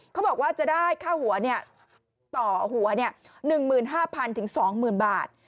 เขาบอกว่าจะได้ค่าหัวต่อหัว๑๕๐๐๒๐๐บาท